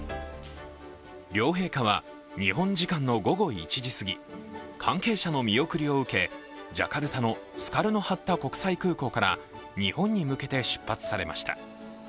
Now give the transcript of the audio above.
両陛下は日本時間の午後１時すぎ関係者の見送りを受けジャカルタのスカルノ・ハッタ空港から、日本に向けて出発されました。